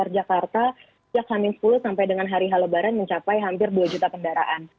jakarta siap hamil sepuluh sampai dengan hari hal lebaran mencapai hampir dua juta pendaraan